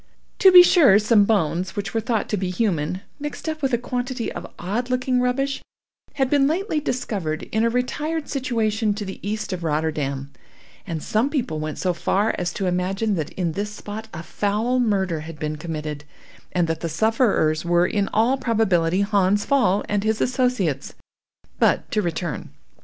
To be sure, some bones which were thought to be human, mixed up with a quantity of odd looking rubbish, had been lately discovered in a retired situation to the east of Rotterdam, and some people went so far as to imagine that in this spot a foul murder had been committed, and that the sufferers were in all probability Hans Pfaall and his associates. But to return.